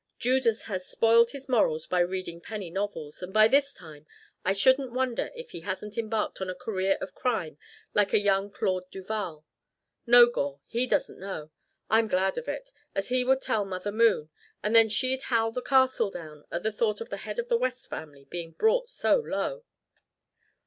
Judas has spoiled his morals by reading penny novels, and by this time I shouldn't wonder if he hasn't embarked on a career of crime like a young Claude Duval. No, Gore, he doesn't know. I'm glad of it as he would tell Mother Moon, and then she'd howl the castle down at the thought of the head of the West family being brought so low."